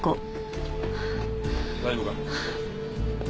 大丈夫か？